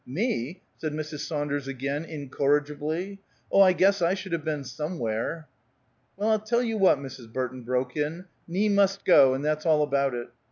"Me?" said Mrs. Saunders again, incorrigibly. "Oh, I guess I should have been somewhere!" "Well, I'll tell you what," Mrs. Burton broke in, "Nie must go, and that's all about it.